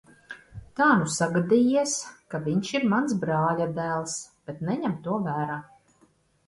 Tā nu sagadījies, ka viņš ir mans brāļadēls, bet neņem to vērā.